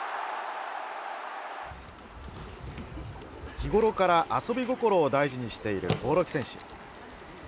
日ごろから遊び心を大事にしている興梠選手。